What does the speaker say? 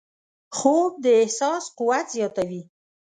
خوب د احساس قوت زیاتوي